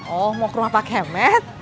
oh mau ke rumah pak hemat